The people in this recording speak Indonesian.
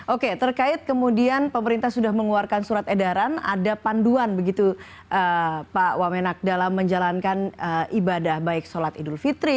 oke terkait kemudian pemerintah sudah mengeluarkan surat edaran ada panduan begitu pak wamenak dalam menjalankan ibadah baik sholat idul fitri